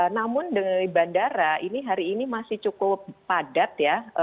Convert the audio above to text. namun dari bandara ini hari ini masih cukup padat ya